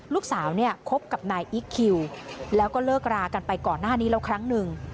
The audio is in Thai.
ลูกสาวเนี่ยคบกับนายอิ๊กคิวแล้วก็เลิกรากันไปก่อนหน้านี้แล้วครั้งหนึ่ง